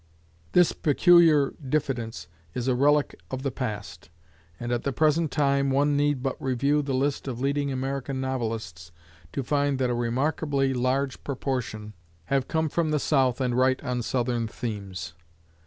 This peculiar diffidence is a relic of the past; and at the present time, one need but review the list of leading American novelists to find that a remarkably large proportion have come from the South and write on Southern themes.